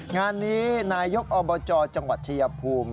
งานนี้นายกอบจจังหวัดชายภูมิ